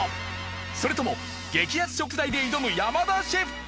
それとも激安食材で挑む山田シェフか？